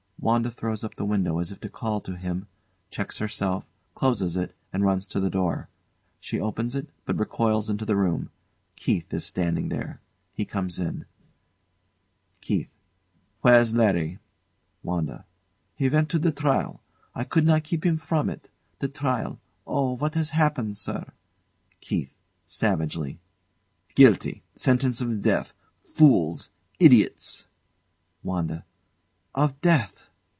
WANDA throws up the window as if to call to him, checks herself, closes it and runs to the door. She opens it, but recoils into the room. KEITH is standing there. He comes in. KEITH. Where's Larry? WANDA. He went to the trial. I could not keep him from it. The trial Oh! what has happened, sir? KEITH. [Savagely] Guilty! Sentence of death! Fools! idiots! WANDA. Of death!